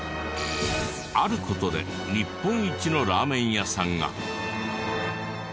ある事で日本一のラーメン屋さんが。